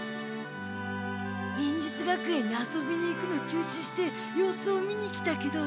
忍術学園に遊びに行くの中止して様子を見に来たけど。